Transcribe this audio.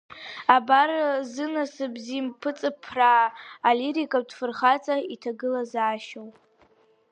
Абар зынасыԥ зымпыҵыԥрааз алирикатә фырхаҵа иҭагылазаашьоу…